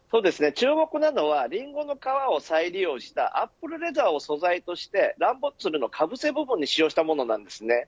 注目なのはリンゴの皮を再利用したアップルレザーを素材としてランドセルのかぶせ部分に使用したものなんですね。